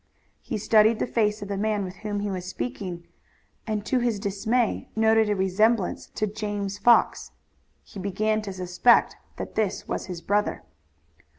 He studied the face of the man with whom he was speaking and to his dismay noted a resemblance to James Fox. He began to suspect that this was his brother.